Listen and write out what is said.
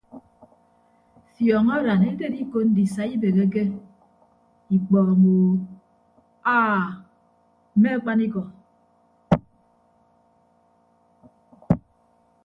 Fiọñ aran eded iko ndisa ibeheke ikpọño aa mme akpanikọ.